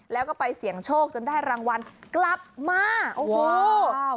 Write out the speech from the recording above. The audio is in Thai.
แล้วก็ไปเสี่ยงโชคจนได้รางวัลกลับมาโอ้โห